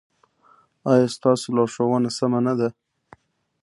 ایا ستاسو لارښوونه سمه نه ده؟